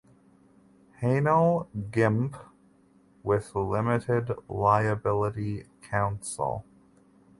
Haenel GmbH with limited liability cancel.